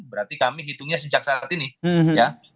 berarti kami hitungnya sejak saat ini ya